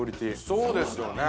◆そうですよね。